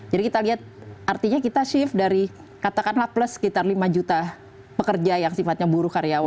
jadi kita lihat artinya kita shift dari katakanlah plus sekitar lima juta pekerja yang sifatnya buruh karyawan